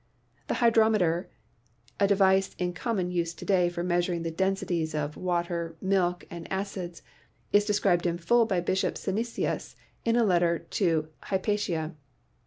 The hydrometer, a device in common use to day for measuring the densities of water, milk and acids, is described in full by Bishop Synesius in a letter to Hypatia.